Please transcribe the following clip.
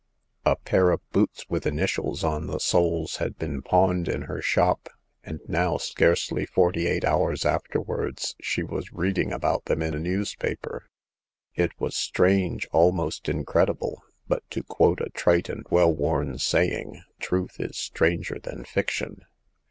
A pair of boots with initials on the soles had been pawned in her shop ; and now— scarcely forty eight hours afterwards — she was reading about them in a newspaper. It was strange — almost incredible ; but, to quote a trite and well worn saying, Truth is stranger than fiction."